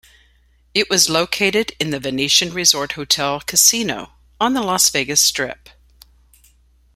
It was located in The Venetian Resort Hotel Casino on the Las Vegas Strip.